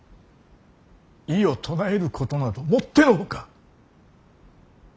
異を唱えることなどもっての外。